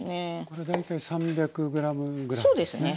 これ大体３００ｇぐらいですね。